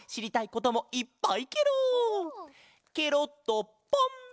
ケロッとポン！